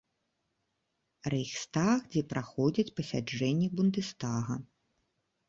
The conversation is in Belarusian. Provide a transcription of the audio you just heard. Рэйхстаг, дзе праходзяць паседжанні бундэстага.